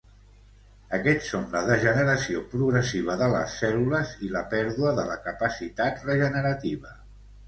Aquests són la degeneració progressiva de les cèl·lules i la pèrdua de la capacitat regenerativa.